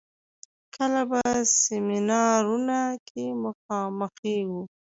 کله په سيمينارونو کې مخامخېږو.